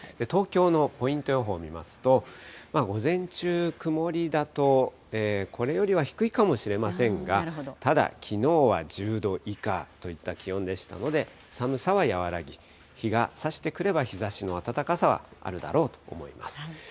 東京のポイント予報見ますと、午前中、曇りだとこれよりは低いかもしれませんが、ただ、きのうは１０度以下といった気温でしたので、寒さは和らぎ、日がさしてくれば日ざしの暖かさはあるだろうと思います。